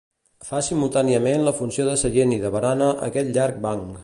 Fa simultàniament la funció de seient i de barana, aquest llarg banc.